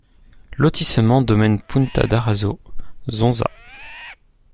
Lotissement Domaine Punta d'Araso, Zonza